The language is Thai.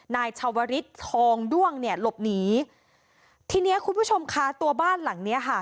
นายชาวริสทองด้วงเนี่ยหลบหนีทีเนี้ยคุณผู้ชมค่ะตัวบ้านหลังเนี้ยค่ะ